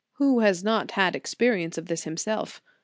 Who has not had expe rience of this in himself?